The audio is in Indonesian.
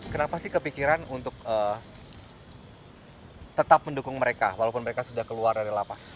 kenapa sih kepikiran untuk tetap mendukung mereka walaupun mereka sudah keluar dari lapas